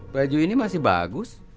baju ini masih bagus